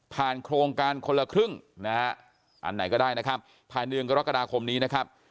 โครงการคนละครึ่งนะฮะอันไหนก็ได้นะครับภายเดือนกรกฎาคมนี้นะครับ